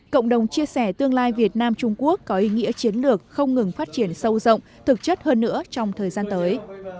cộng đồng chia sẻ tương lai việt nam trung quốc có ý nghĩa chiến lược không ngừng phát triển sâu rộng thực chất hơn nữa trong thời gian tới